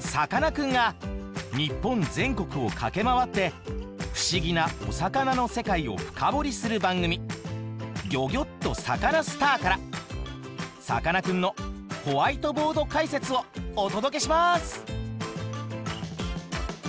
さかなクンが日本全国を駆け回って不思議なお魚の世界を深掘りする番組「ギョギョッとサカナ★スター」からさかなクンのホワイトボード解説をお届けします！